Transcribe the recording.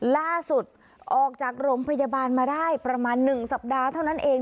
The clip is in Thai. ล่าสุดออกจากโรงพยาบาลมาได้ประมาณ๑สัปดาห์เท่านั้นเอง